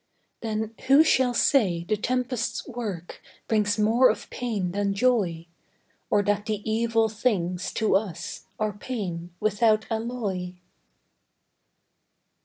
Then who shall say the tempest's work Brings more of pain than joy; Or that the evil things, to us Are pain, without alloy?